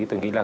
tôi nghĩ là